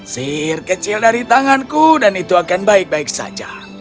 sihir kecil dari tanganku dan itu akan baik baik saja